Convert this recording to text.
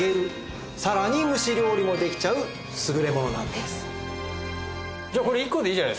さらに蒸し料理もできちゃう優れものなんです。